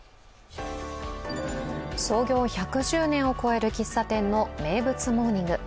創業１１０年を超える喫茶店の名物モーニング。